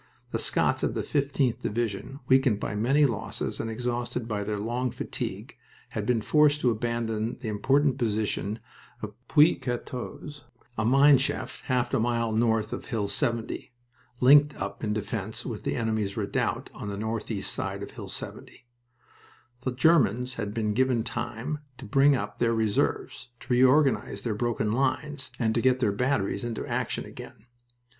The Scots of the 15th Division, weakened by many losses and exhausted by their long fatigue, had been forced to abandon the important position of Puits 14 a mine shaft half a mile north of Hill 70, linked up in defense with the enemy's redoubt on the northeast side of Hill 70. The Germans had been given time to bring up their reserves, to reorganize their broken lines, and to get their batteries into action again.